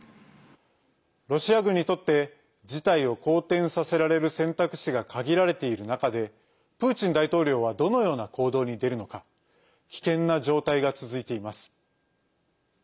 ロシア軍にとって事態を好転させられる選択肢が限られている中でプーチン大統領はどのような行動に出るのか危険な状態が続いています。